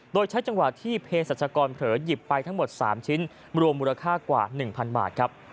โดยใช้จังหวะที่เพศรัชกรเผลอหยิบไปทั้งหมด๓ชิ้นรวมมูลค่ากว่า๑๐๐บาทครับ